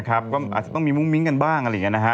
อาจจะต้องมีมุ้งมิ้งกันบ้าง